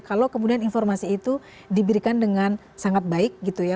kalau kemudian informasi itu diberikan dengan sangat baik gitu ya